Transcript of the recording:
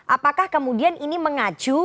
apakah kemudian ini mengacu